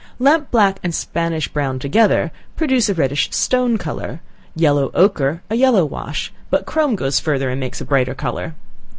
Lamp black and Spanish brown together, produce a reddish stone color, yellow ochre, a yellow wash, but chrome goes further and makes a brighter color.